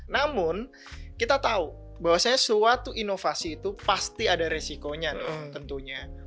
namun kita tahu bahwa saya suatu inovasi itu pasti ada resikonya tentunya